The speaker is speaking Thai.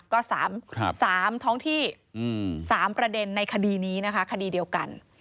ก็๓ท้องที่๓ประเด็นในคดีนี้นะคะคดีเดียวกัน